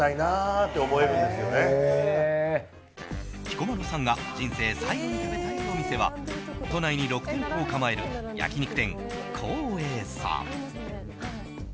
彦摩呂さんが人生最後に食べたいお店は都内に６店舗を構える焼き肉店幸永さん。